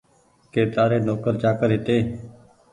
ڪي تآري نوڪر چآڪر هيتي